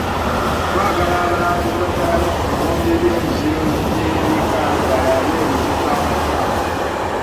Twagala abalambuzi bakyale ku biwunde by'emiziro gy'ebika balabe bwe bifaanana.